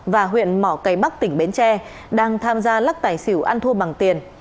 và huyện mỏ cây bắc tỉnh bến tre đang tham gia lắc tài xỉu ăn thua bằng tiền